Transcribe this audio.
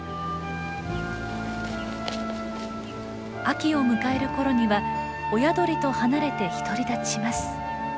秋を迎える頃には親鳥と離れて独り立ちします。